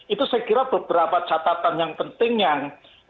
itu saya kira beberapa catatan yang penting yang